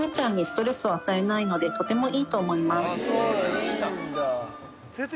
いいんだ。